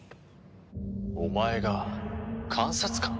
お前が監察官？